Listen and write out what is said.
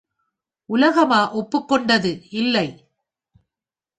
உலகமா ஒப்புக் கொண்டது இல்லை.